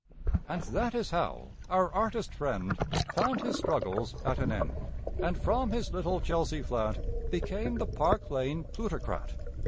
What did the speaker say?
And that is how our artist friend Found his struggles at an end, And from his little Chelsea flat Became the Park Lane plutocrat.